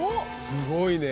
すごいね。